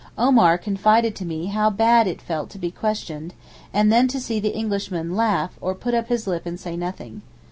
Omar confided to me how bad it felt to be questioned, and then to see the Englishman laugh or put up his lip and say nothing.